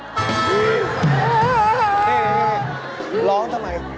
นี่ร้องทำไม